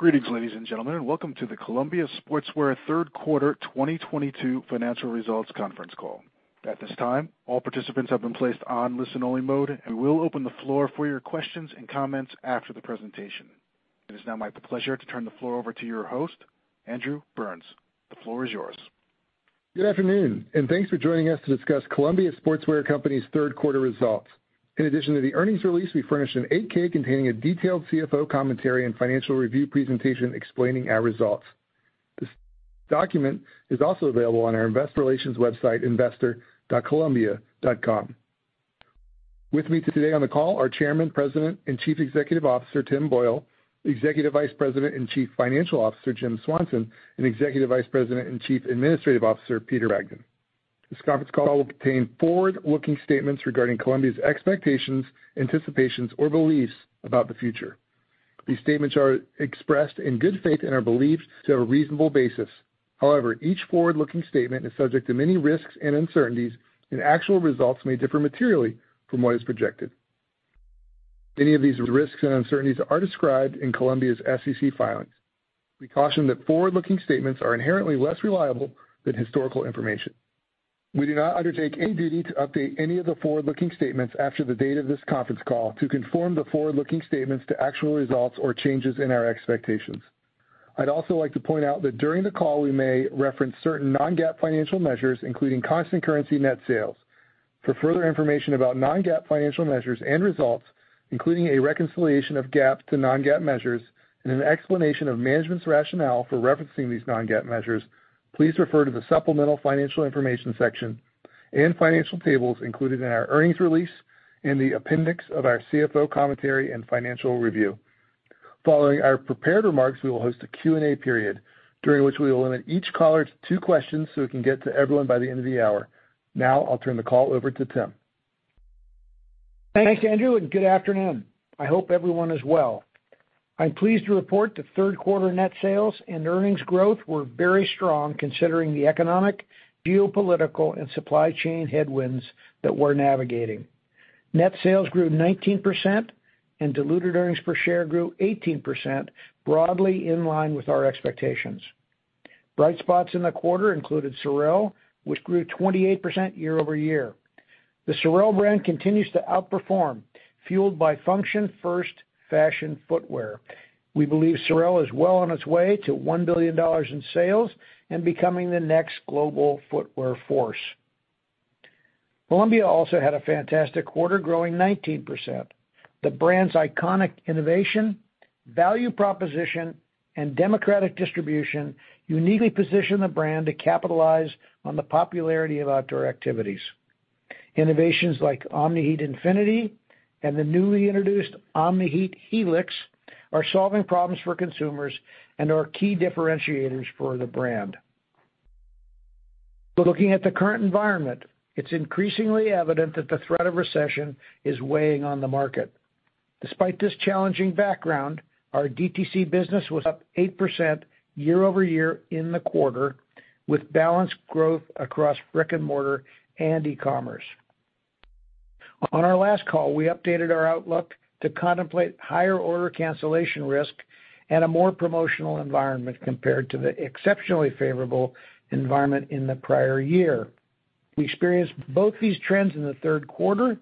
Greetings, ladies and gentlemen, and welcome to the Columbia Sportswear Q3 2022 financial results conference call. At this time, all participants have been placed on listen-only mode, and we will open the floor for your questions and comments after the presentation. It is now my pleasure to turn the floor over to your host, Andrew Burns. The floor is yours. Good afternoon, and thanks for joining us to discuss Columbia Sportswear Company's Q3 results. In addition to the earnings release, we furnished an 8-K containing a detailed CFO commentary and financial review presentation explaining our results. This document is also available on our investor relations website, investor.columbia.com. With me today on the call are Chairman, President, and Chief Executive Officer, Tim Boyle, Executive Vice President and Chief Financial Officer, Jim Swanson, and Executive Vice President and Chief Administrative Officer, Peter Bragdon. This conference call will contain forward-looking statements regarding Columbia's expectations, anticipations, or beliefs about the future. These statements are expressed in good faith and are believed to have a reasonable basis. However, each forward-looking statement is subject to many risks and uncertainties, and actual results may differ materially from what is projected. Any of these risks and uncertainties are described in Columbia's SEC filings. We caution that forward-looking statements are inherently less reliable than historical information. We do not undertake any duty to update any of the forward-looking statements after the date of this conference call to conform the forward-looking statements to actual results or changes in our expectations. I'd also like to point out that during the call, we may reference certain non-GAAP financial measures, including constant currency net sales. For further information about non-GAAP financial measures and results, including a reconciliation of GAAP to non-GAAP measures and an explanation of management's rationale for referencing these non-GAAP measures, please refer to the supplemental financial information section and financial tables included in our earnings release in the appendix of our CFO commentary and financial review. Following our prepared remarks, we will host a Q&A period during which we will limit each caller to two questions so we can get to everyone by the end of the hour. Now I'll turn the call over to Tim Boyle. Thanks, Andrew, and good afternoon. I hope everyone is well. I'm pleased to report that Q3 net sales and earnings growth were very strong considering the economic, geopolitical, and supply chain headwinds that we're navigating. Net sales grew 19% and diluted earnings per share grew 18%, broadly in line with our expectations. Bright spots in the quarter included Sorel, which grew 28% year-over-year. The Sorel brand continues to outperform, fueled by function first fashion footwear. We believe Sorel is well on its way to $1 billion in sales and becoming the next global footwear force. Columbia also had a fantastic quarter, growing 19%. The brand's iconic innovation, value proposition, and democratic distribution uniquely position the brand to capitalize on the popularity of outdoor activities. Innovations like Omni-Heat Infinity and the newly introduced Omni-Heat Helix are solving problems for consumers and are key differentiators for the brand. Looking at the current environment, it's increasingly evident that the threat of recession is weighing on the market. Despite this challenging background, our DTC business was up 8% year-over-year in the quarter, with balanced growth across brick-and-mortar and e-commerce. On our last call, we updated our outlook to contemplate higher order cancellation risk and a more promotional environment compared to the exceptionally favorable environment in the prior year. We experienced both these trends in the Q3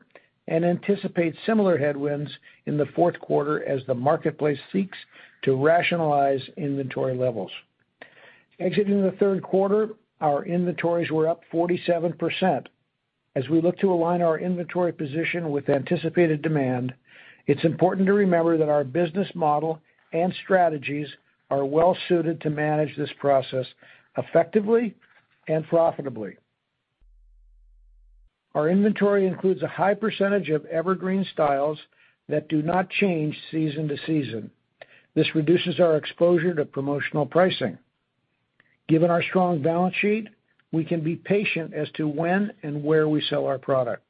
and anticipate similar headwinds in the Q4 as the marketplace seeks to rationalize inventory levels. Exiting the Q3, our inventories were up 47%. As we look to align our inventory position with anticipated demand, it's important to remember that our business model and strategies are well suited to manage this process effectively and profitably. Our inventory includes a high percentage of evergreen styles that do not change season to season. This reduces our exposure to promotional pricing. Given our strong balance sheet, we can be patient as to when and where we sell our product.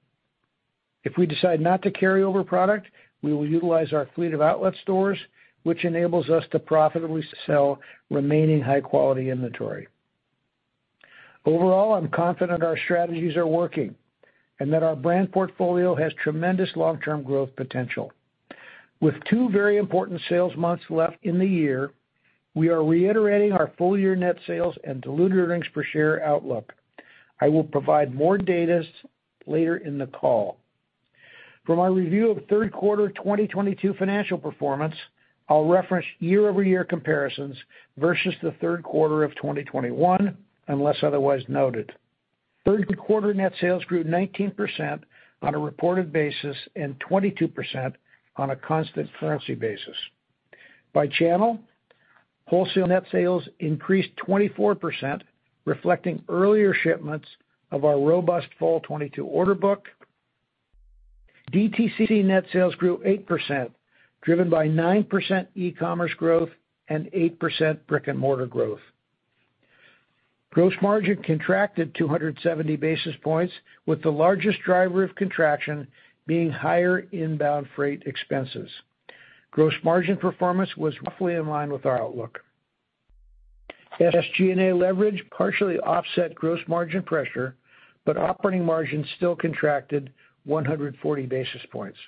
If we decide not to carry over product, we will utilize our fleet of outlet stores, which enables us to profitably sell remaining high-quality inventory. Overall, I'm confident our strategies are working and that our brand portfolio has tremendous long-term growth potential. With two very important sales months left in the year, we are reiterating our full year net sales and diluted earnings per share outlook. I will provide more data later in the call. For my review of Q3 2022 financial performance, I'll reference year-over-year comparisons versus the Q3 of 2021, unless otherwise noted. Q3 net sales grew 19% on a reported basis and 22% on a constant currency basis. By channel, wholesale net sales increased 24%, reflecting earlier shipments of our robust fall 2022 order book. DTC net sales grew 8%, driven by 9% e-commerce growth and 8% brick-and-mortar growth. Gross margin contracted 270 basis points, with the largest driver of contraction being higher inbound freight expenses. Gross margin performance was roughly in line with our outlook. SG&A leverage partially offset gross margin pressure, but operating margins still contracted 140 basis points.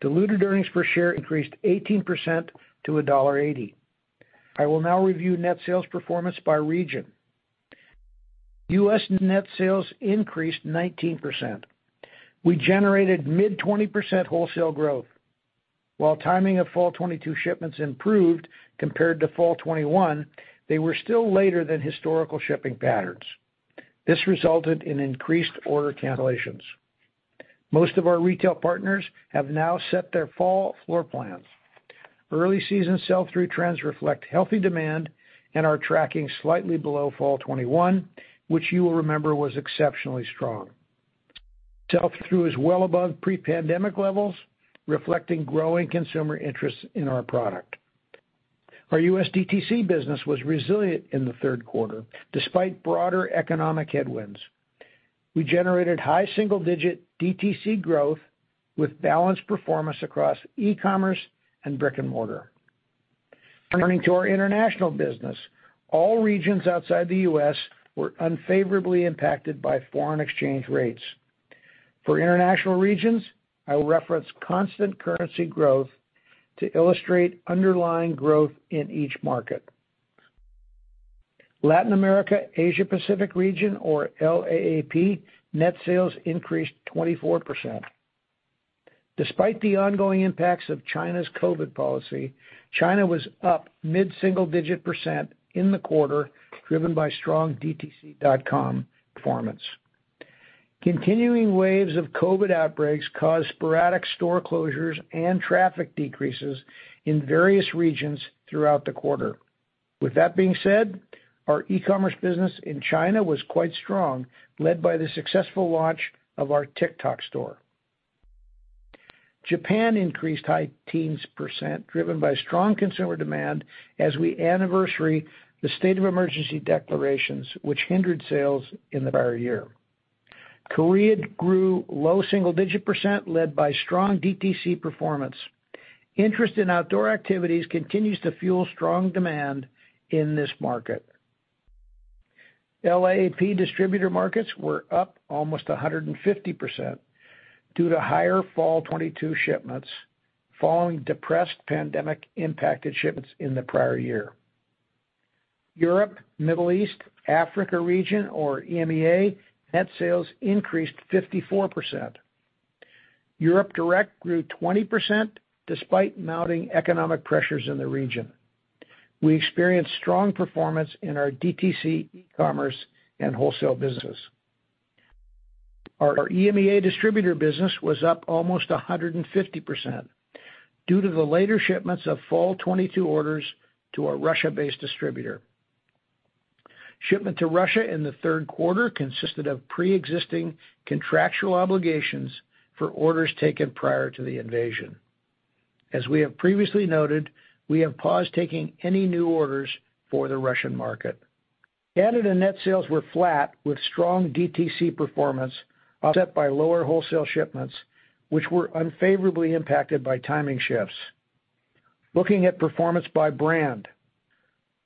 Diluted earnings per share increased 18% to $1.80. I will now review net sales performance by region. U.S. net sales increased 19%. We generated mid-20% wholesale growth. While timing of fall 2022 shipments improved compared to fall 2021, they were still later than historical shipping patterns. This resulted in increased order cancellations. Most of our retail partners have now set their fall floor plans. Early season sell-through trends reflect healthy demand and are tracking slightly below fall 2021, which you will remember was exceptionally strong. Sell-through is well above pre-pandemic levels, reflecting growing consumer interest in our product. Our US DTC business was resilient in the Q3, despite broader economic headwinds. We generated high single-digit DTC growth with balanced performance across e-commerce and brick-and-mortar. Turning to our international business, all regions outside the U.S. were unfavorably impacted by foreign exchange rates. For international regions, I will reference constant currency growth to illustrate underlying growth in each market. Latin America, Asia Pacific region or LAAP, net sales increased 24%. Despite the ongoing impacts of China's COVID policy, China was up mid-single-digit percent in the quarter, driven by strong DTC.com performance. Continuing waves of COVID outbreaks caused sporadic store closures and traffic decreases in various regions throughout the quarter. With that being said, our e-commerce business in China was quite strong, led by the successful launch of our TikTok store. Japan increased high-teens percent, driven by strong consumer demand as we anniversary the state of emergency declarations which hindered sales in the prior year. Korea grew low single-digit percent, led by strong DTC performance. Interest in outdoor activities continues to fuel strong demand in this market. LAAP distributor markets were up almost 150% due to higher fall 2022 shipments following depressed pandemic-impacted shipments in the prior year. Europe, Middle East, Africa region or EMEA, net sales increased 54%. Europe direct grew 20% despite mounting economic pressures in the region. We experienced strong performance in our DTC, e-commerce, and wholesale businesses. Our EMEA distributor business was up almost 150% due to the later shipments of fall 2022 orders to a Russia-based distributor. Shipment to Russia in the Q3 consisted of pre-existing contractual obligations for orders taken prior to the invasion. As we have previously noted, we have paused taking any new orders for the Russian market. Canada net sales were flat with strong DTC performance offset by lower wholesale shipments, which were unfavorably impacted by timing shifts. Looking at performance by brand.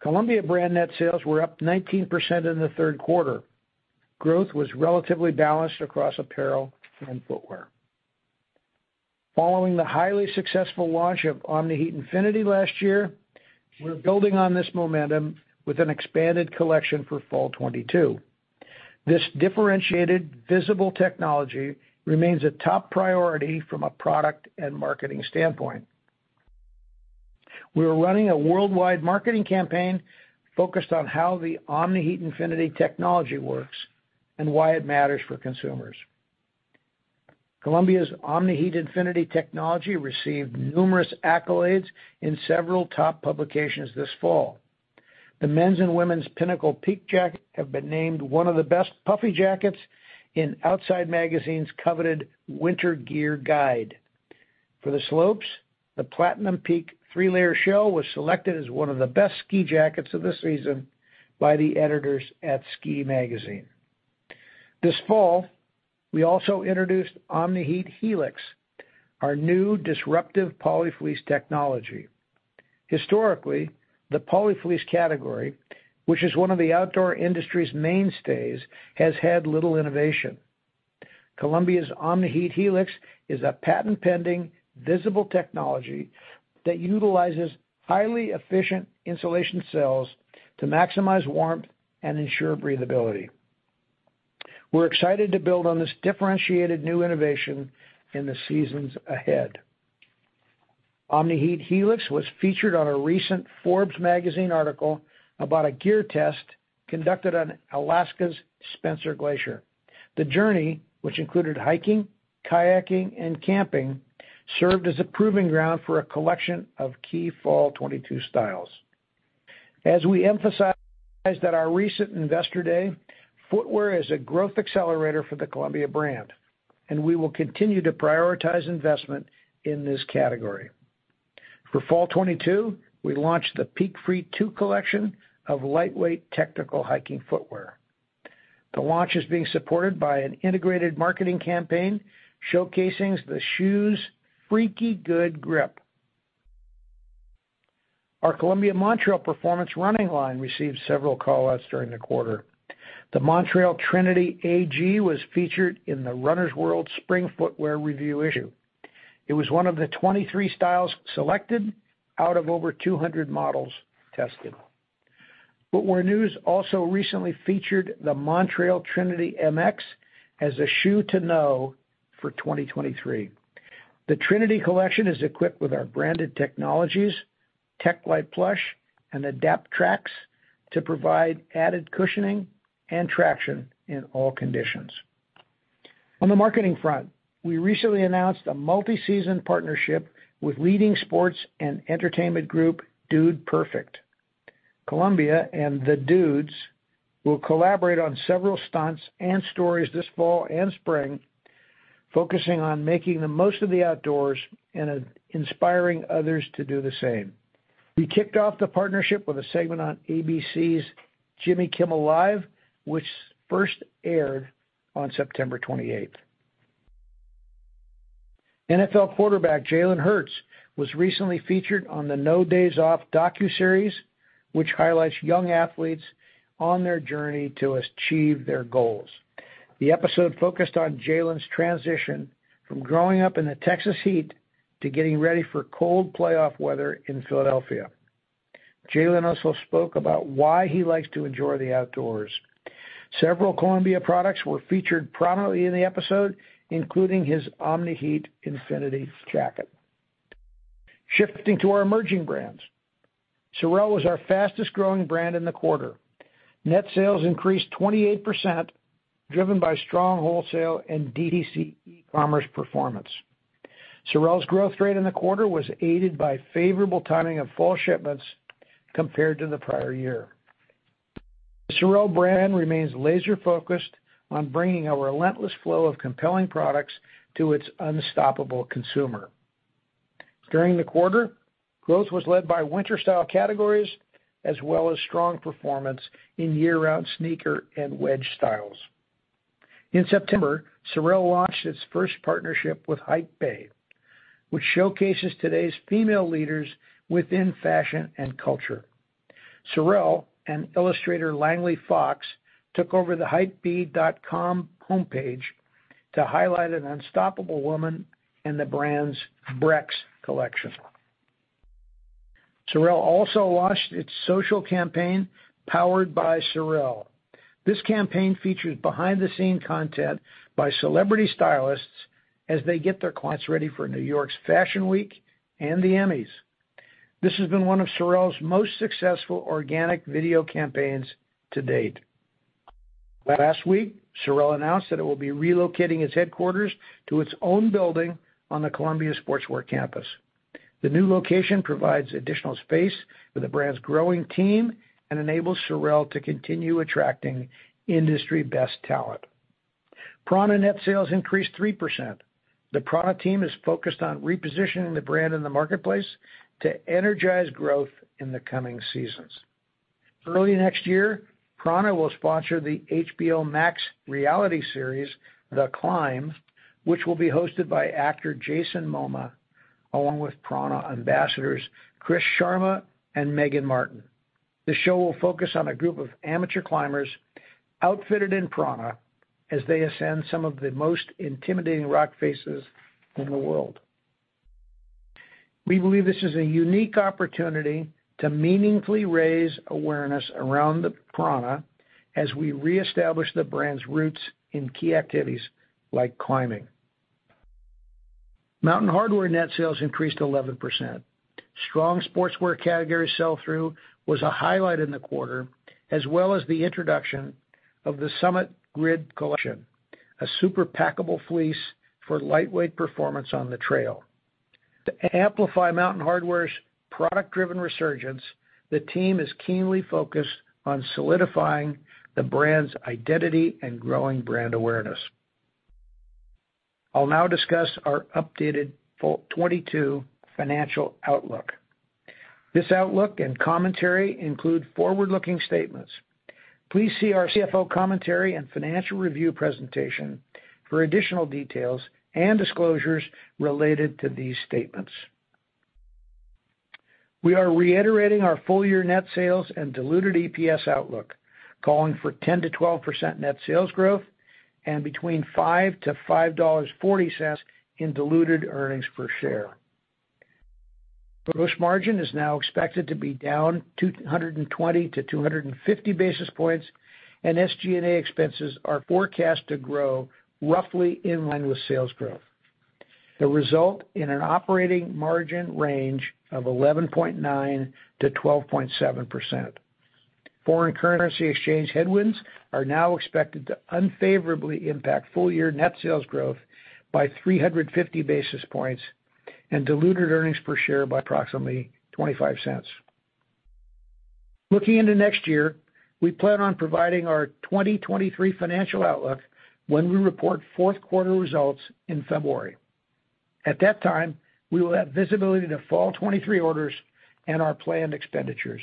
Columbia brand net sales were up 19% in the Q3. Growth was relatively balanced across apparel and footwear. Following the highly successful launch of Omni-Heat Infinity last year, we're building on this momentum with an expanded collection for fall 2022. This differentiated visible technology remains a top priority from a product and marketing standpoint. We are running a worldwide marketing campaign focused on how the Omni-Heat Infinity technology works and why it matters for consumers. Columbia's Omni-Heat Infinity technology received numerous accolades in several top publications this fall. The men's and women's Pinnacle Peak Jacket have been named one of the best puffy jackets in Outside's coveted Winter Gear Guide. For the slopes, the Platinum Peak three-layer shell was selected as one of the best ski jackets of the season by the editors at Ski Magazine. This fall, we also introduced Omni-Heat Helix, our new disruptive polyfleece technology. Historically, the polyfleece category, which is one of the outdoor industry's mainstays, has had little innovation. Columbia's Omni-Heat Helix is a patent-pending visible technology that utilizes highly efficient insulation cells to maximize warmth and ensure breathability. We're excited to build on this differentiated new innovation in the seasons ahead. Omni-Heat Helix was featured on a recent Forbes magazine article about a gear test conducted on Alaska's Spencer Glacier. The journey, which included hiking, kayaking, and camping, served as a proving ground for a collection of key fall 2022 styles. As we emphasized at our recent Investor Day, footwear is a growth accelerator for the Columbia brand, and we will continue to prioritize investment in this category. For fall 2022, we launched the Peakfreak II collection of lightweight technical hiking footwear. The launch is being supported by an integrated marketing campaign showcasing the shoe's freaky good grip. Our Columbia Montrail Performance running line received several call-outs during the quarter. The Montrail Trinity AG was featured in the Runner's World spring footwear review issue. It was one of the 23 styles selected out of over 200 models tested. Footwear News also recently featured the Montrail Trinity MX as a shoe to know for 2023. The Trinity collection is equipped with our branded technologies, Techlite Plush and Adapt Trax to provide added cushioning and traction in all conditions. On the marketing front, we recently announced a multi-season partnership with leading sports and entertainment group Dude Perfect. Columbia and the Dudes will collaborate on several stunts and stories this fall and spring, focusing on making the most of the outdoors and inspiring others to do the same. We kicked off the partnership with a segment on ABC's Jimmy Kimmel Live, which first aired on September 28th. NFL quarterback Jalen Hurts was recently featured on the No Days Off docuseries, which highlights young athletes on their journey to achieve their goals. The episode focused on Jalen's transition from growing up in the Texas heat to getting ready for cold playoff weather in Philadelphia. Jalen also spoke about why he likes to enjoy the outdoors. Several Columbia products were featured prominently in the episode, including his Omni-Heat Infinity jacket. Shifting to our emerging brands, Sorel was our fastest-growing brand in the quarter. Net sales increased 28%, driven by strong wholesale and DTC e-commerce performance. Sorel's growth rate in the quarter was aided by favorable timing of fall shipments compared to the prior year. The Sorel brand remains laser-focused on bringing a relentless flow of compelling products to its unstoppable consumer. During the quarter, growth was led by winter style categories as well as strong performance in year-round sneaker and wedge styles. In September, Sorel launched its first partnership with Hypebae, which showcases today's female leaders within fashion and culture. Sorel and illustrator Langley Fox took over the hypebae.com homepage to highlight an unstoppable woman in the brand's Brex collection. Sorel also launched its social campaign, Powered by Sorel. This campaign features behind-the-scene content by celebrity stylists as they get their clients ready for New York Fashion Week and the Emmys. This has been one of Sorel's most successful organic video campaigns to date. Last week, Sorel announced that it will be relocating its headquarters to its own building on the Columbia Sportswear campus. The new location provides additional space for the brand's growing team and enables Sorel to continue attracting industry best talent. prAna net sales increased 3%. The prAna team is focused on repositioning the brand in the marketplace to energize growth in the coming seasons. Early next year, prAna will sponsor the HBO Max reality series, The Climb, which will be hosted by actor Jason Momoa, along with prAna ambassadors Chris Sharma and Meagan Martin. The show will focus on a group of amateur climbers outfitted in prAna as they ascend some of the most intimidating rock faces in the world. We believe this is a unique opportunity to meaningfully raise awareness around the prAna as we reestablish the brand's roots in key activities like climbing. Mountain Hardwear net sales increased 11%. Strong sportswear category sell-through was a highlight in the quarter, as well as the introduction of the Summit Grid collection, a super packable fleece for lightweight performance on the trail. To amplify Mountain Hardwear's product-driven resurgence, the team is keenly focused on solidifying the brand's identity and growing brand awareness. I'll now discuss our updated full 2022 financial outlook. This outlook and commentary include forward-looking statements. Please see our CFO commentary and financial review presentation for additional details and disclosures related to these statements. We are reiterating our full-year net sales and diluted EPS outlook, calling for 10%-12% net sales growth and between $5.00-$5.40 in diluted earnings per share. Gross margin is now expected to be down 220-250 basis points, and SG&A expenses are forecast to grow roughly in line with sales growth. They result in an operating margin range of 11.9%-12.7%. Foreign currency exchange headwinds are now expected to unfavorably impact full-year net sales growth by 350 basis points and diluted earnings per share by approximately $0.25. Looking into next year, we plan on providing our 2023 financial outlook when we report Q4 results in February. At that time, we will have visibility to fall 2023 orders and our planned expenditures.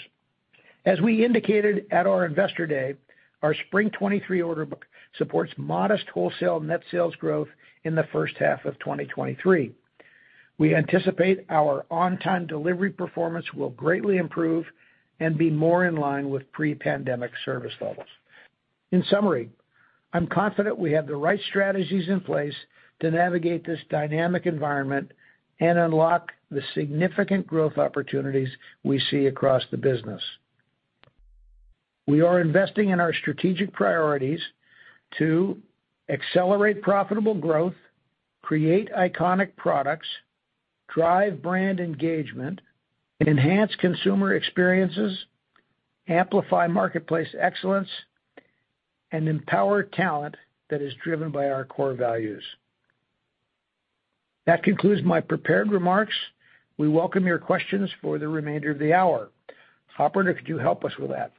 As we indicated at our investor day, our spring 2023 order book supports modest wholesale net sales growth in the H1 of 2023. We anticipate our on-time delivery performance will greatly improve and be more in line with pre-pandemic service levels. In summary, I'm confident we have the right strategies in place to navigate this dynamic environment and unlock the significant growth opportunities we see across the business. We are investing in our strategic priorities to accelerate profitable growth, create iconic products, drive brand engagement, enhance consumer experiences, amplify marketplace excellence, and empower talent that is driven by our core values. That concludes my prepared remarks. We welcome your questions for the remainder of the hour. Operator, could you help us with that?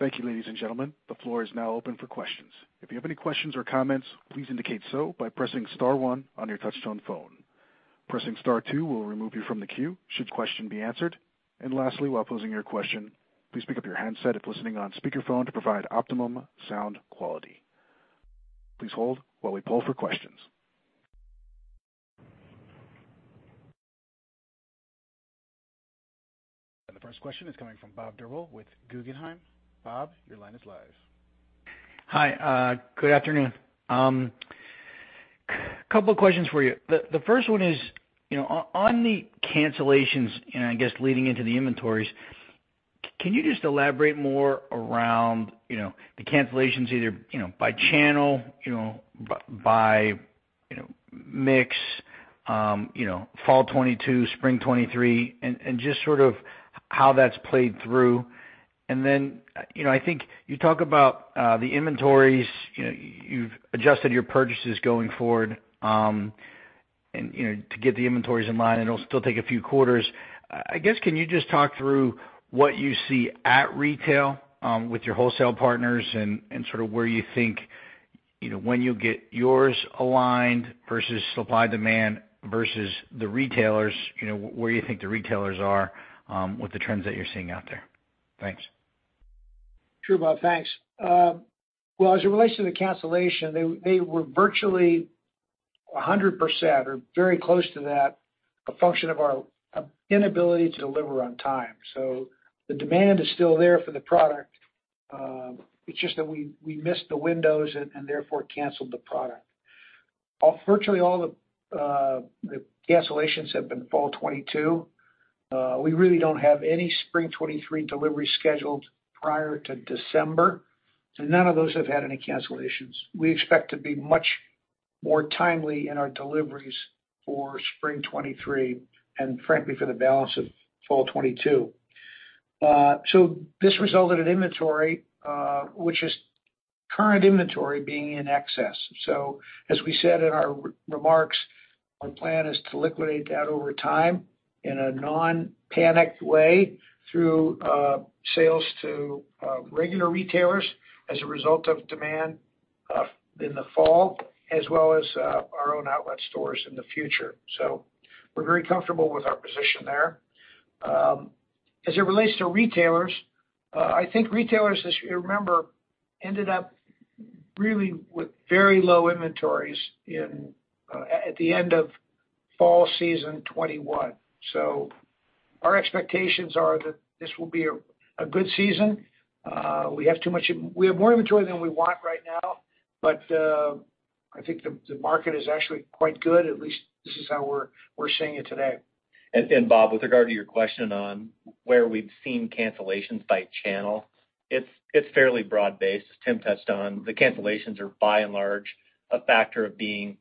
Thank you, ladies and gentlemen. The floor is now open for questions. If you have any questions or comments, please indicate so by pressing star one on your touchtone phone. Pressing star two will remove you from the queue should your question be answered. Lastly, while posing your question, please pick up your handset if listening on speakerphone to provide optimum sound quality. Please hold while we poll for questions. The first question is coming from Bob Drbul with Guggenheim. Bob, your line is live. Hi, good afternoon. Couple of questions for you. The first one is, you know, on the cancellations and I guess leading into the inventories, can you just elaborate more around, you know, the cancellations either, you know, by channel, you know, by, you know, mix, you know, fall 2022, spring 2023, and just sort of how that's played through. Then, you know, I think you talk about the inventories. You know, you've adjusted your purchases going forward, and, you know, to get the inventories in line, and it'll still take a few quarters. I guess, can you just talk through what you see at retail, with your wholesale partners and sort of where you think, you know, when you'll get yours aligned versus supply and demand versus the retailers, you know, where you think the retailers are, with the trends that you're seeing out there? Thanks. Sure, Bob, thanks. Well, as it relates to the cancellation, they were virtually 100% or very close to that, a function of our inability to deliver on time. The demand is still there for the product, it's just that we missed the windows and therefore canceled the product. Virtually all the cancellations have been fall 2022. We really don't have any spring 2023 deliveries scheduled prior to December, so none of those have had any cancellations. We expect to be much more timely in our deliveries for spring 2023 and frankly for the balance of fall 2022. This resulted in inventory, which is current inventory being in excess. As we said in our remarks, our plan is to liquidate that over time in a non-panicked way through sales to regular retailers as a result of demand in the fall, as well as our own outlet stores in the future. We're very comfortable with our position there. As it relates to retailers, I think retailers, as you remember, ended up really with very low inventories in at the end of fall season 2021. Our expectations are that this will be a good season. We have more inventory than we want right now, but I think the market is actually quite good. At least this is how we're seeing it today. Bob, with regard to your question on where we've seen cancellations by channel, it's fairly broad based. As Tim touched on, the cancellations are by and large a factor of being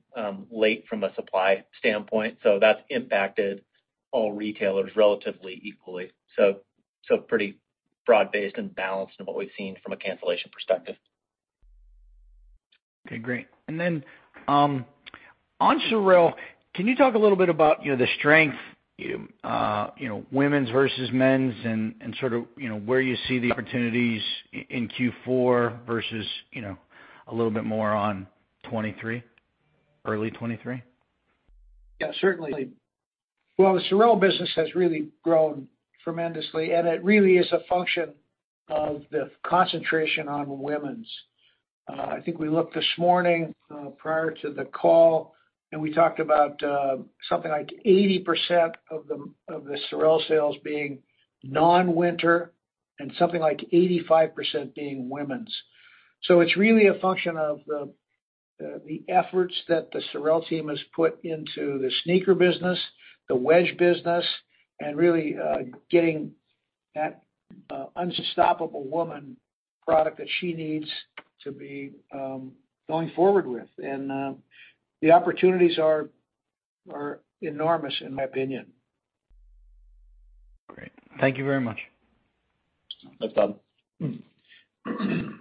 late from a supply standpoint. That's impacted all retailers relatively equally. Pretty broad based and balanced in what we've seen from a cancellation perspective. Okay, great. On Sorel, can you talk a little bit about, you know, the strength, you know, women's versus men's and sort of, you know, where you see the opportunities in Q4 versus, you know, a little bit more on 2023, early 2023? Yeah, certainly. Well, the Sorel business has really grown tremendously, and it really is a function of the concentration on women's. I think we looked this morning, prior to the call, and we talked about something like 80% of the Sorel sales being non-winter and something like 85% being women's. It's really a function of the efforts that the Sorel team has put into the sneaker business, the wedge business, and really getting that unstoppable woman product that she needs to be going forward with. The opportunities are enormous, in my opinion. Great. Thank you very much. Thanks, Bob. Okay, the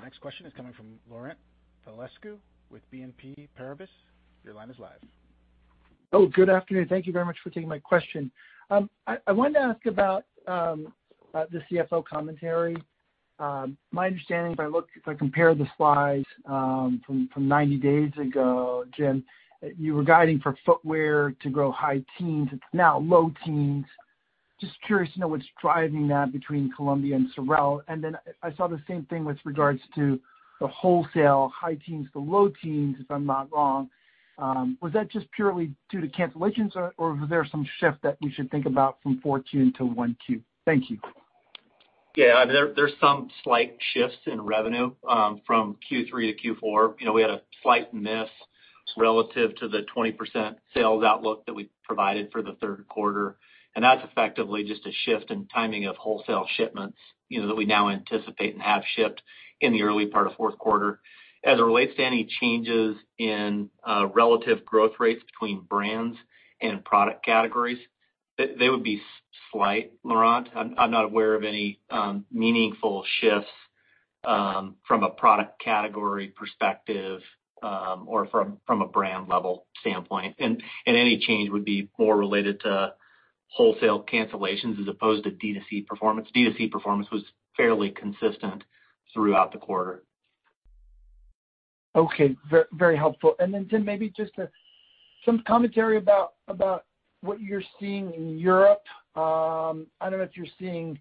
next question is coming from Laurent Vasilescu with BNP Paribas. Your line is live. Oh, good afternoon. Thank you very much for taking my question. I wanted to ask about the CFO commentary. My understanding, if I compare the slides from 90 days ago, Jim, you were guiding for footwear to grow high teens, it's now low teens. Just curious to know what's driving that between Columbia and Sorel. I saw the same thing with regards to the wholesale high teens to low teens, if I'm not wrong. Was that just purely due to cancellations or was there some shift that we should think about from 4Q until 1Q? Thank you. Yeah. I mean, there's some slight shifts in revenue from Q3 to Q4. You know, we had a slight miss relative to the 20% sales outlook that we provided for the Q3, and that's effectively just a shift in timing of wholesale shipments, you know, that we now anticipate and have shipped in the early part of Q4. As it relates to any changes in relative growth rates between brands and product categories, they would be slight, Laurent. I'm not aware of any meaningful shifts from a product category perspective or from a brand level standpoint. Any change would be more related to wholesale cancellations as opposed to D2C performance. D2C performance was fairly consistent throughout the quarter. Okay. Very helpful. Jim, maybe just some commentary about what you're seeing in Europe. I don't know if you're seeing,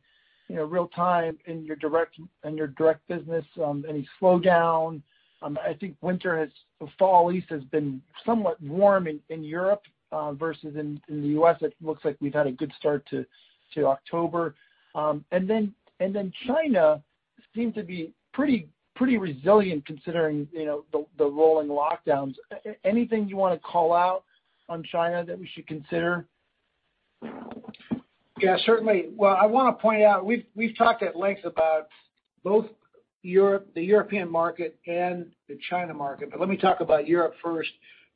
you know, real time in your direct business any slowdown. I think winter or fall at least has been somewhat warm in Europe versus in the U.S. It looks like we've had a good start to October. China seemed to be pretty resilient considering, you know, the rolling lockdowns. Anything you wanna call out on China that we should consider? Yeah, certainly. Well, I wanna point out, we've talked at length about both Europe, the European market and the China market, but let me talk about Europe first.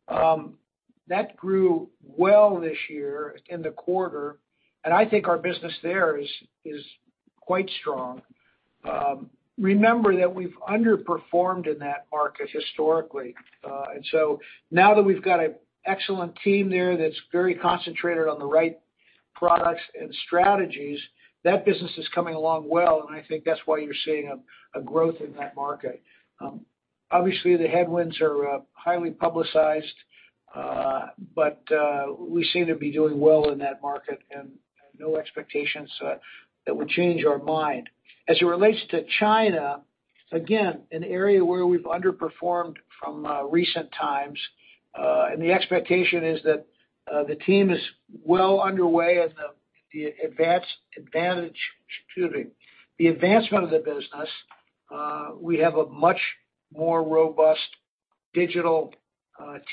That grew well this year in the quarter, and I think our business there is quite strong. Remember that we've underperformed in that market historically. Now that we've got an excellent team there that's very concentrated on the right products and strategies, that business is coming along well, and I think that's why you're seeing a growth in that market. Obviously the headwinds are highly publicized, but we seem to be doing well in that market and have no expectations that would change our mind. As it relates to China, again, an area where we've underperformed from recent times, and the expectation is that the team is well underway in the advancement of the business. We have a much more robust digital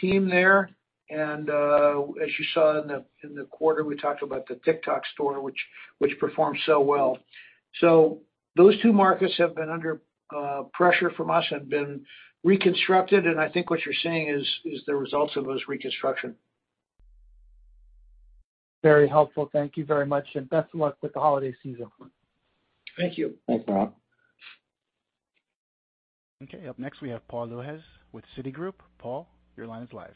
team there and, as you saw in the quarter, we talked about the TikTok store, which performed so well. Those two markets have been under pressure from us, have been reconstructed and I think what you're seeing is the results of those reconstructions. Very helpful. Thank you very much, and best of luck with the holiday season. Thank you. Thanks, Laurent. Okay. Up next, we have Paul Lejuez with Citigroup. Paul, your line is live.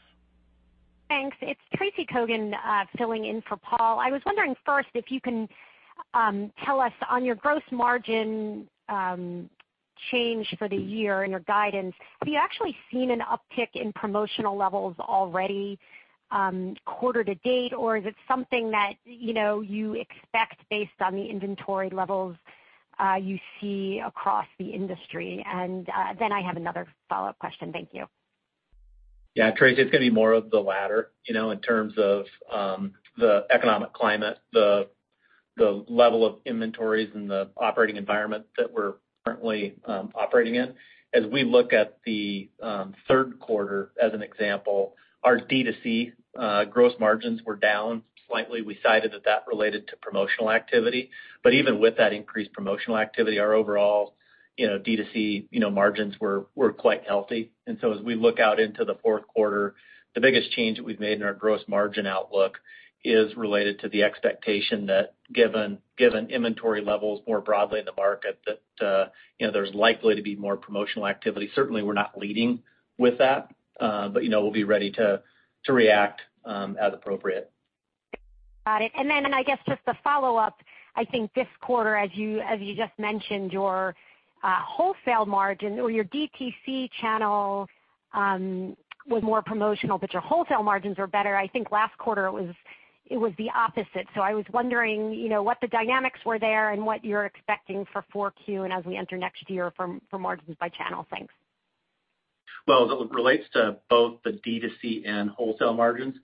Thanks. It's Tracy Kogan filling in for Paul Lejuez. I was wondering first if you can tell us on your gross margin change for the year in your guidance, have you actually seen an uptick in promotional levels already, quarter to date? Or is it something that, you know, you expect based on the inventory levels you see across the industry? I have another follow-up question. Thank you. Yeah. Tracy, it's gonna be more of the latter, you know, in terms of the economic climate, the level of inventories and the operating environment that we're currently operating in. As we look at the Q3 as an example, our D2C gross margins were down slightly. We cited that related to promotional activity. Even with that increased promotional activity, our overall, you know, D2C, you know, margins were quite healthy. As we look out into the Q4, the biggest change that we've made in our gross margin outlook is related to the expectation that given inventory levels more broadly in the market, that, you know, there's likely to be more promotional activity. Certainly, we're not leading with that, but, you know, we'll be ready to react as appropriate. Got it. Then I guess just a follow-up, I think this quarter, as you just mentioned, your wholesale margin or your DTC channel was more promotional, but your wholesale margins were better. I think last quarter it was the opposite. I was wondering, you know, what the dynamics were there and what you're expecting for 4Q and as we enter next year for margins by channel. Thanks. Well, as it relates to both the D2C and wholesale margins,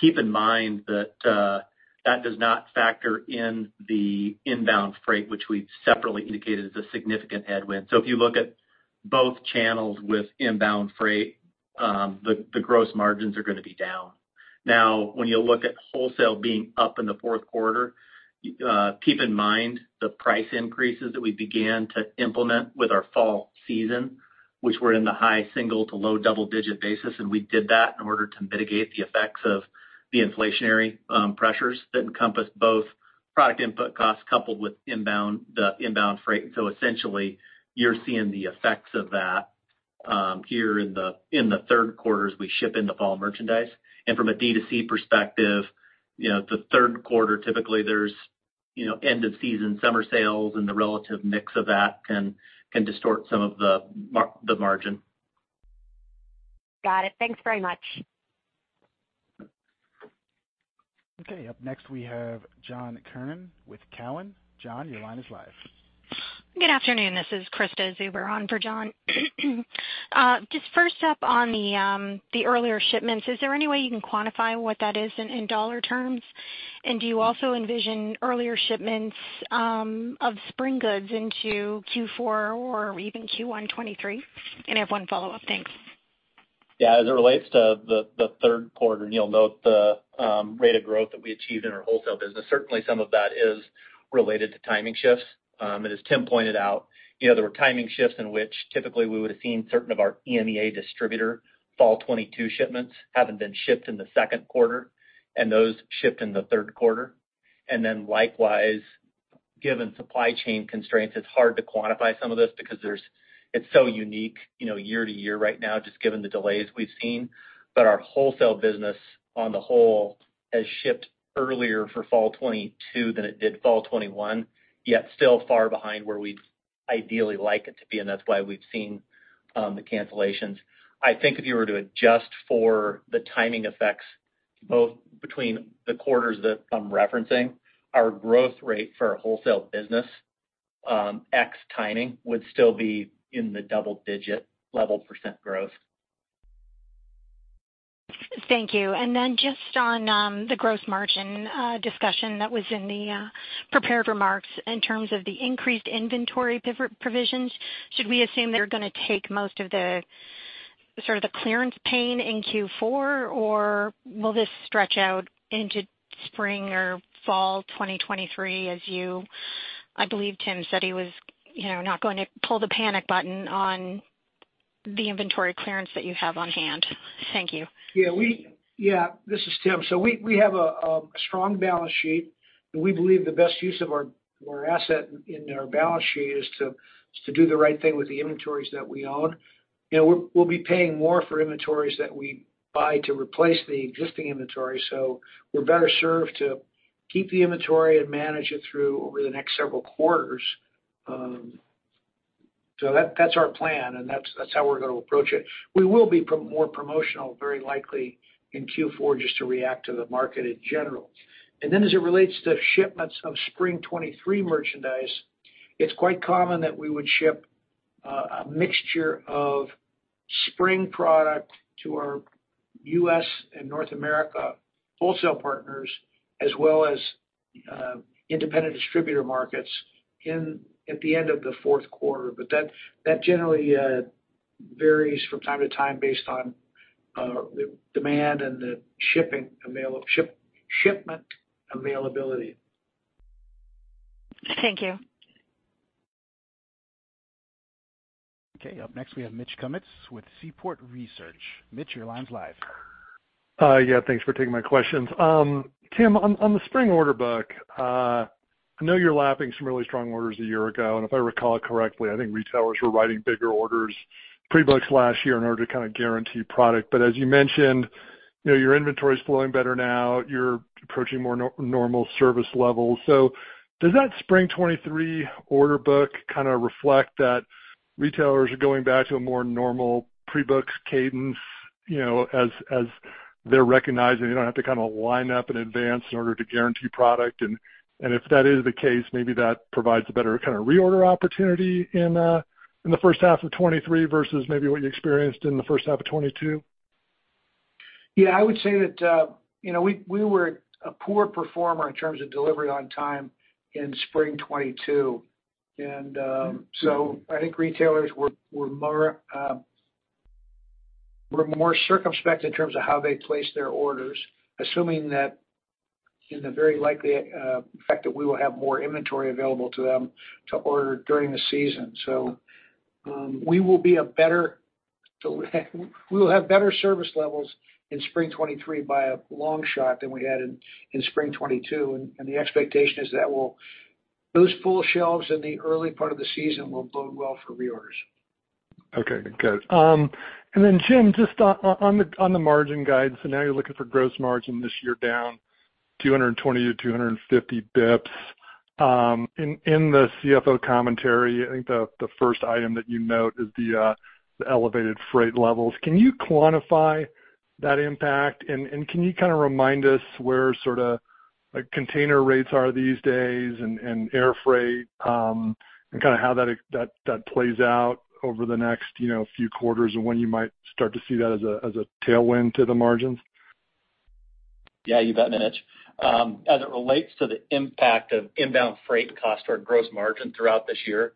keep in mind that does not factor in the inbound freight, which we've separately indicated is a significant headwind. If you look at both channels with inbound freight, the gross margins are gonna be down. Now, when you look at wholesale being up in the Q4, keep in mind the price increases that we began to implement with our fall season, which were in the high single to low double digit basis, and we did that in order to mitigate the effects of the inflationary pressures that encompass both product input costs coupled with inbound freight. Essentially, you're seeing the effects of that here in the Q3 as we ship in the fall merchandise. From a D2C perspective, you know, the Q3, typically there's, you know, end of season summer sales and the relative mix of that can distort some of the margin. Got it. Thanks very much. Okay. Up next, we have John Kernan with Cowen. John, your line is live. Good afternoon. This is Krista Zuber on for John. Just first up on the earlier shipments, is there any way you can quantify what that is in dollar terms? Do you also envision earlier shipments of spring goods into Q4 or even Q1 2023? I have one follow-up. Thanks. Yeah. As it relates to the Q3, you'll note the rate of growth that we achieved in our wholesale business. Certainly, some of that is related to timing shifts. As Tim pointed out, you know, there were timing shifts in which typically we would've seen certain of our EMEA distributor fall 2022 shipments having been shipped in the second quarter and those shipped in the Q3. Likewise, given supply chain constraints, it's hard to quantify some of this because it's so unique, you know, year to year right now, just given the delays we've seen. Our wholesale business on the whole has shipped earlier for fall 2022 than it did fall 2021, yet still far behind where we'd ideally like it to be, and that's why we've seen the cancellations. I think if you were to adjust for the timing effects, both between the quarters that I'm referencing, our growth rate for our wholesale business, ex timing would still be in the double-digit level % growth. Thank you. Just on the gross margin discussion that was in the prepared remarks in terms of the increased inventory provisions, should we assume they're gonna take most of the sort of the clearance pain in Q4? Or will this stretch out into spring or fall 2023 as you, I believe Tim said he was not going to pull the panic button on the inventory clearance that you have on hand. Thank you. Yeah. This is Tim. We have a strong balance sheet, and we believe the best use of our asset in our balance sheet is to do the right thing with the inventories that we own. You know, we'll be paying more for inventories that we buy to replace the existing inventory. We're better served to keep the inventory and manage it through over the next several quarters. That's our plan, and that's how we're gonna approach it. We will be more promotional very likely in Q4 just to react to the market in general. As it relates to shipments of spring 2023 merchandise, it's quite common that we would ship a mixture of spring product to our U.S. and North America wholesale partners as well as independent distributor markets at the end of the Q4. That generally varies from time to time based on the demand and the shipment availability. Thank you. Okay. Up next, we have Mitch Kummetz with Seaport Research. Mitch, your line's live. Yeah, thanks for taking my questions. Tim, on the spring order book, I know you're lapping some really strong orders a year ago, and if I recall correctly, I think retailers were writing bigger orders pre-books last year in order to kind of guarantee product. As you mentioned, you know, your inventory is flowing better now. You're approaching more normal service levels. Does that spring 2023 order book kinda reflect that retailers are going back to a more normal pre-books cadence, you know, as they're recognizing they don't have to kinda line up in advance in order to guarantee product? If that is the case, maybe that provides a better kinda reorder opportunity in the H1 of 2023 versus maybe what you experienced in the H1 of 2022. Yeah. I would say that, you know, we were a poor performer in terms of delivery on time in spring 2022. I think retailers were more circumspect in terms of how they place their orders, assuming that in the very likely fact that we will have more inventory available to them to order during the season. We will have better service levels in spring 2023 by a long shot than we had in spring 2022. The expectation is that those full shelves in the early part of the season will bode well for reorders. Okay. Good. Jim, just on the margin guide. Now you're looking for gross margin this year down 200-250 basis points. In the CFO commentary, I think the first item that you note is the elevated freight levels. Can you quantify that impact? Can you kinda remind us where sorta like container rates are these days and air freight, and kinda how that plays out over the next few quarters and when you might start to see that as a tailwind to the margins? Yeah, you bet, Mitch. As it relates to the impact of inbound freight cost to our gross margin throughout this year,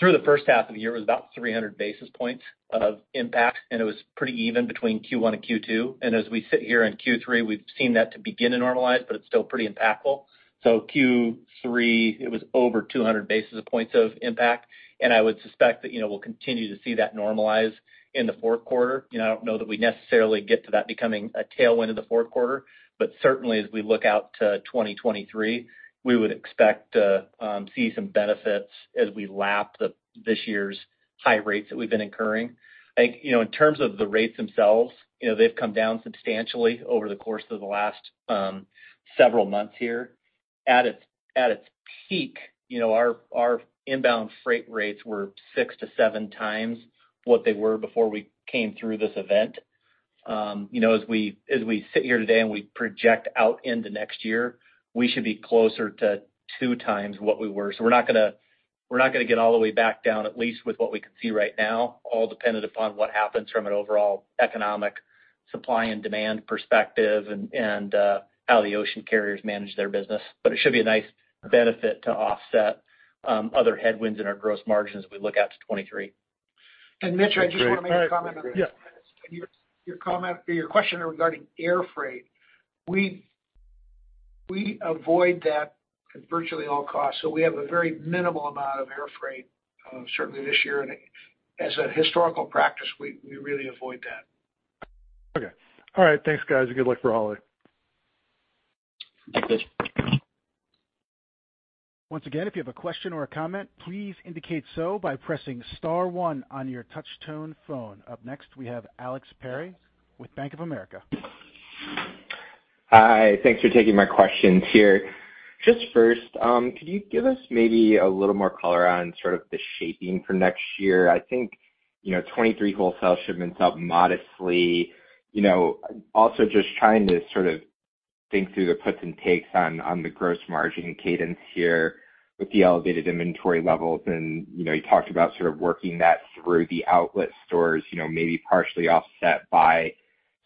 through the H1 of the year, it was about 300 basis points of impact, and it was pretty even between Q1 and Q2. As we sit here in Q3, we've seen that to begin to normalize, but it's still pretty impactful. Q3, it was over 200 basis points of impact, and I would suspect that, you know, we'll continue to see that normalize in the Q4. You know, I don't know that we necessarily get to that becoming a tailwind in the Q4, but certainly as we look out to 2023, we would expect to see some benefits as we lap this year's high rates that we've been incurring. I think, you know, in terms of the rates themselves, you know, they've come down substantially over the course of the last several months here. At its peak, you know, our inbound freight rates were 6x-7x what they were before we came through this event. As we sit here today and we project out into next year, we should be closer to 2x what we were. We're not gonna get all the way back down, at least with what we can see right now, all dependent upon what happens from an overall economic supply and demand perspective and how the ocean carriers manage their business. It should be a nice benefit to offset other headwinds in our gross margins as we look out to 2023. Mitch, I just want to make a comment on- Yeah. Your comment or your question regarding air freight. We avoid that at virtually all costs. We have a very minimal amount of air freight, certainly this year. As a historical practice, we really avoid that. Okay. All right. Thanks, guys. Good luck for holiday. Thank you. Once again, if you have a question or a comment, please indicate so by pressing star one on your touch tone phone. Up next, we have Alex Perry with Bank of America. Hi. Thanks for taking my questions here. Just first, could you give us maybe a little more color on sort of the shaping for next year? I think, you know, 2023 wholesale shipments up modestly. You know, also just trying to sort of think through the puts and takes on the gross margin cadence here with the elevated inventory levels. You know, you talked about sort of working that through the outlet stores, you know, maybe partially offset by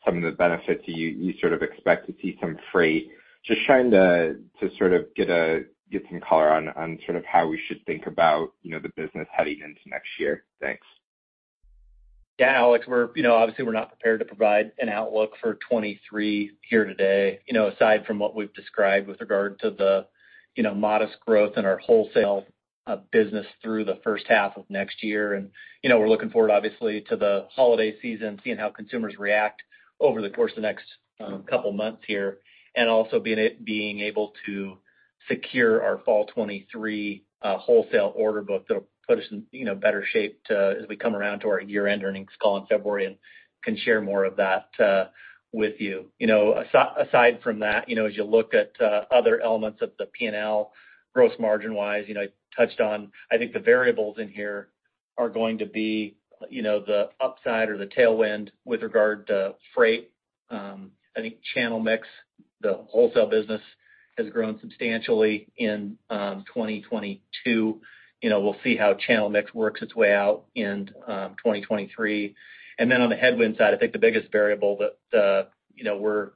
some of the benefits you sort of expect to see some freight. Just trying to sort of get some color on how we should think about, you know, the business heading into next year. Thanks. Yeah, Alex, we're, you know, obviously we're not prepared to provide an outlook for 2023 here today. You know, aside from what we've described with regard to the, you know, modest growth in our wholesale business through the H1 of next year. We're looking forward obviously to the holiday season, seeing how consumers react over the course of the next couple months here. Also being able to secure our fall 2023 wholesale order book that'll put us in, you know, better shape to, as we come around to our year-end earnings call in February and can share more of that with you. You know, aside from that, you know, as you look at other elements of the P&L gross margin-wise, you know, I touched on, I think the variables in here are going to be, you know, the upside or the tailwind with regard to freight. I think channel mix, the wholesale business has grown substantially in 2022. You know, we'll see how channel mix works its way out in 2023. Then on the headwind side, I think the biggest variable that you know, we're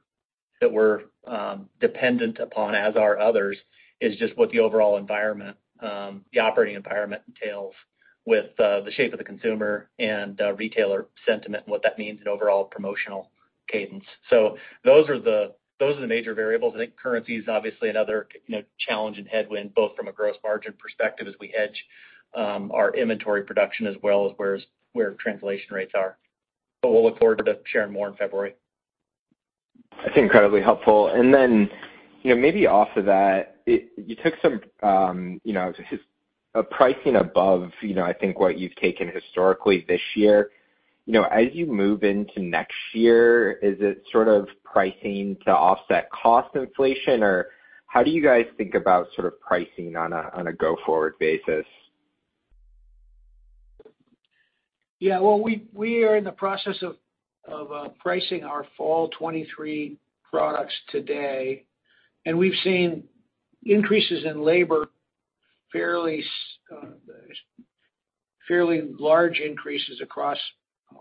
dependent upon, as are others, is just what the overall environment, the operating environment entails with the shape of the consumer and retailer sentiment and what that means in overall promotional cadence. Those are the major variables. I think currency is obviously another, you know, challenge and headwind, both from a gross margin perspective as we hedge our inventory production, as well as where translation rates are. We'll look forward to sharing more in February. That's incredibly helpful. Then, you know, maybe off of that, you took some, you know, a pricing above, you know, I think what you've taken historically this year. You know, as you move into next year, is it sort of pricing to offset cost inflation? Or how do you guys think about sort of pricing on a go-forward basis? Yeah. Well, we are in the process of pricing our fall 2023 products today, and we've seen fairly large increases in labor across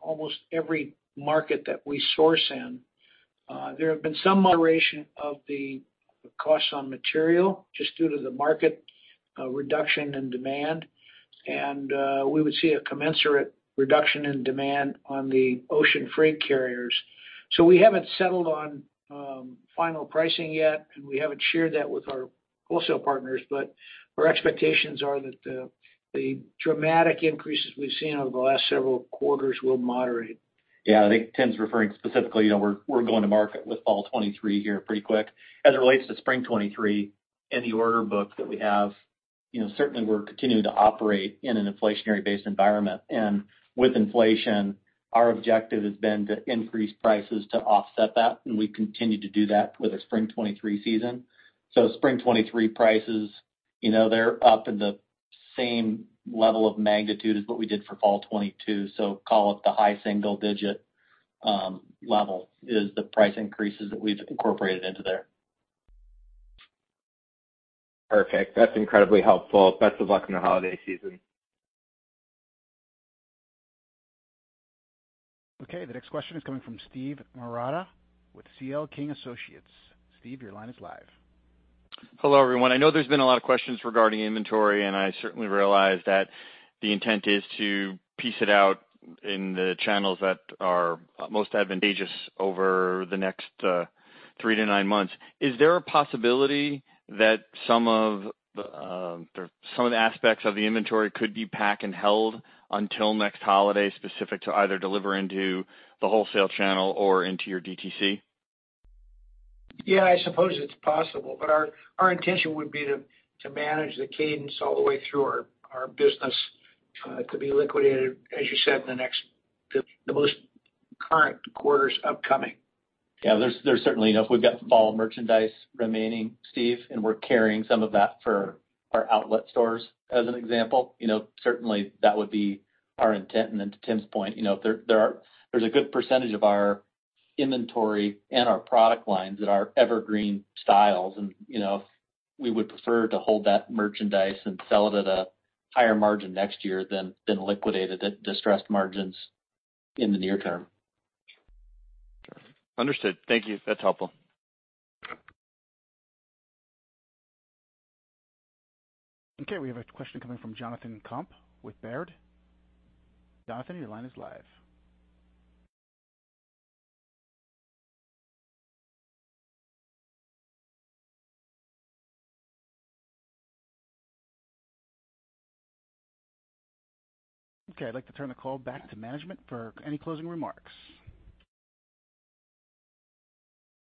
almost every market that we source in. There have been some moderation of the costs on material just due to the market reduction in demand. We would see a commensurate reduction in demand on the ocean freight carriers. We haven't settled on final pricing yet, and we haven't shared that with our wholesale partners, but our expectations are that the dramatic increases we've seen over the last several quarters will moderate. Yeah. I think Tim's referring specifically, you know, we're going to market with Fall 2023 here pretty quick. As it relates to Spring 2023 and the order book that we have, you know, certainly we're continuing to operate in an inflationary-based environment. With inflation, our objective has been to increase prices to offset that, and we continue to do that with the Spring 2023 season. Spring 2023 prices, you know, they're up in the same level of magnitude as what we did for Fall 2022. Call it the high single-digit level is the price increases that we've incorporated into there. Perfect. That's incredibly helpful. Best of luck in the holiday season. Okay. The next question is coming from Steve Marotta with C.L. King & Associates. Steve, your line is live. Hello, everyone. I know there's been a lot of questions regarding inventory, and I certainly realize that the intent is to piece it out in the channels that are most advantageous over the next three-nine months. Is there a possibility that some of the aspects of the inventory could be packed and held until next holiday, specific to either deliver into the wholesale channel or into your DTC? Yeah, I suppose it's possible, but our intention would be to manage the cadence all the way through our business to be liquidated, as you said, in the most current quarters upcoming. Yeah. There's certainly, you know, if we've got fall merchandise remaining, Steve, and we're carrying some of that for our outlet stores, as an example, you know, certainly that would be our intent. Then to Tim's point, you know, there's a good percentage of our inventory and our product lines that are evergreen styles. You know, we would prefer to hold that merchandise and sell it at a higher margin next year than liquidated at distressed margins in the near term. Understood. Thank you. That's helpful. Okay, we have a question coming from Jonathan Komp with Baird. Jonathan, your line is live. Okay, I'd like to turn the call back to management for any closing remarks.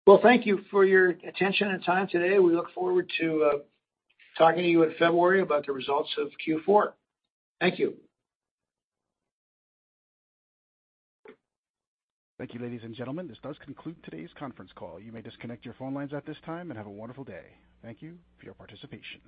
Well, thank you for your attention and time today. We look forward to talking to you in February about the results of Q4. Thank you. Thank you, ladies and gentlemen. This does conclude today's conference call. You may disconnect your phone lines at this time and have a wonderful day. Thank you for your participation.